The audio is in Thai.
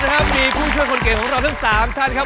มันเป็นคนพูดเข้าไปเพื่อกับของเราทั้งสามท่านครับ